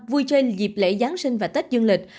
vui chơi dịp lễ giáng sinh và tết dương lịch